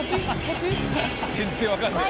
全然わかんない。